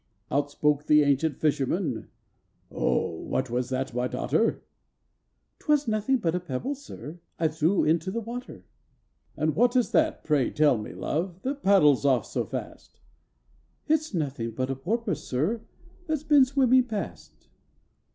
Out spoke the ancient fisherman, "Oh, what was that, my daughter?" "'T was nothing but a pebble, sir, I threw into the water." "And what is that, pray tell me, love, that paddles off so fast?" "It's nothing but a porpoise, sir, that 's been a swimming past."